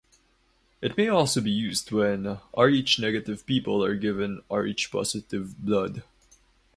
It may also be used when Rh negative people are given Rh positive blood.